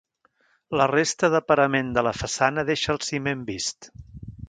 La resta de parament de la façana deixa el ciment vist.